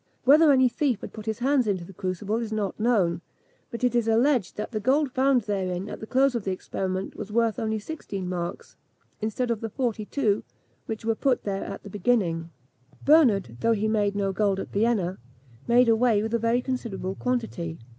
Whether any thief had put his hands into the crucible is not known, but it is alleged that the gold found therein at the close of the experiment was worth only sixteen marks, instead of the forty two, which were put there at the beginning. Bernard, though he made no gold at Vienna, made away with a very considerable quantity.